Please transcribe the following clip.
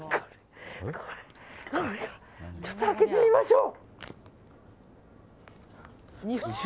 ちょっと開けてみましょう。